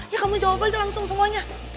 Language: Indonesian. ya kamu jawab aja langsung semuanya